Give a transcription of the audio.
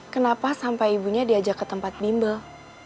kenapa sampai ibunya diajak ke tempat bimbel